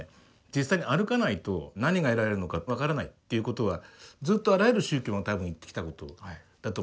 実際に歩かないと何が得られるのか分からないっていうことはずっとあらゆる宗教も多分言ってきたことだと思いますね。